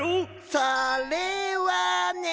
それはね。